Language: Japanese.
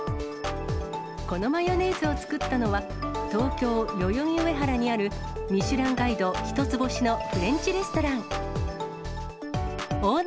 このマヨネーズを作ったのは、東京・代々木上原にある、ミシュランガイド１つ星のフレンチレストラン。